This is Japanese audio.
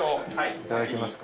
いただきますか。